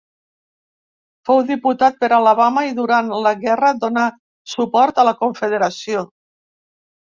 Fou diputat per Alabama i durant la guerra donà suport la Confederació.